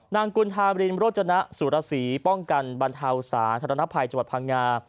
นางกุณฑาบิรินรจนสุรสีป้องกันบรรทาวสาทธนภัยจบัตรพังงา